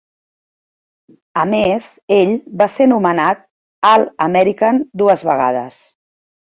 A més, ell va ser nomenat All-American dues vegades.